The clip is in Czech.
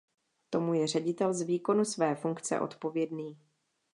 Tomu je ředitel z výkonu své funkce odpovědný.